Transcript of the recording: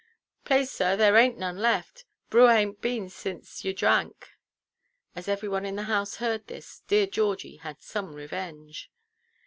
"Plaise, sir, there bainʼt none left. Brewer hainʼt a been since you drank." As every one in the house heard this, dear Georgie had some revenge.